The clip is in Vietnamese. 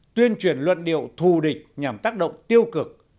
tuyên truyền luận điệu thù địch nhằm tác động tiêu cực